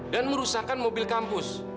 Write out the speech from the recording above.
dan merusakkan mobil kampus